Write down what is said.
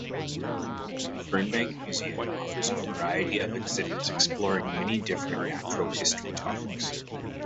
Fernbank Museum offers a variety of exhibits exploring many different natural history topics.